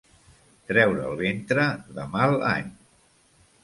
Treure el ventre de mal any.